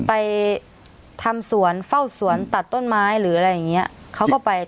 ไปทำสวนเฝ้าสวนตัดต้นไม้หรืออะไรอย่างเงี้ยเขาก็ไป